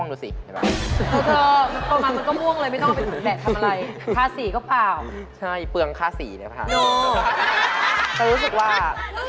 รู้สึกว่า